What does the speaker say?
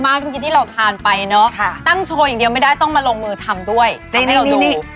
เมื่อกี้ที่เราทานไปเนอะตั้งโชว์อย่างเดียวไม่ได้ต้องมาลงมือทำด้วยเต้นให้เราดู